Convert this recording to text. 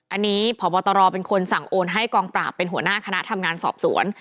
อันนี้พบตรเป็นคนสั่งโอนให้กองปราบเป็นหัวหน้าคณะทำงานสอบสวน